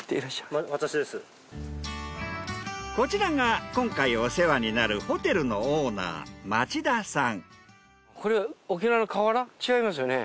こちらが今回お世話になるホテルのオーナー町田さん。